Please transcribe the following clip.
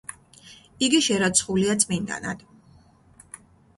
იგი შერაცხულია წმინდანად.